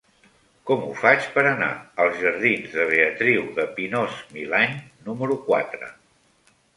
Com ho faig per anar als jardins de Beatriu de Pinós-Milany número quatre?